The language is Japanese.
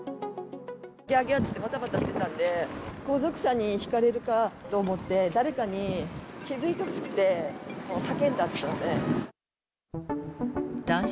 ぎゃーぎゃーって言ってばたばたしてたんで、後続車にひかれるかと思って、誰かに気付いてほしくて、叫んだって言ってましたね。